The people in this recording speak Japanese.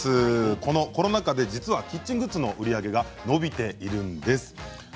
このコロナ禍で実はキッチングッズの売り上げが伸びているんです。